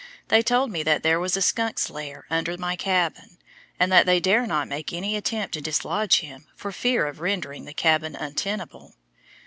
They told me that there was a skunk's lair under my cabin, and that they dare not make any attempt to dislodge him for fear of rendering the cabin untenable.